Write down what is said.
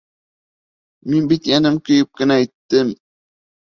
Мин бит йәнем көйөп кенә әйттем!